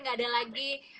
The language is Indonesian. gak ada lagi